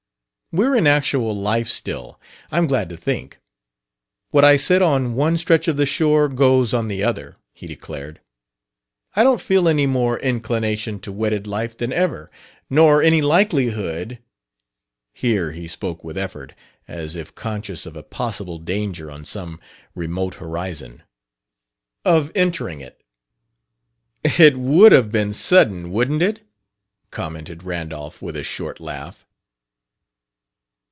"We're in actual life still, I'm glad to think. What I said on one stretch of the shore goes on the other," he declared. "I don't feel any more inclination to wedded life than ever, nor any likelihood" here he spoke with effort, as if conscious of a possible danger on some remote horizon "of entering it." "It would have been sudden, wouldn't it?" commented Randolph, with a short laugh.